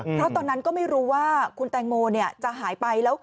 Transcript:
เพราะตอนนั้นก็ไม่รู้ว่าคุณแตงโมจะหายไปแล้ว